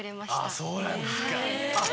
あぁそうなんですか。